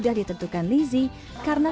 baju untuk ceritanya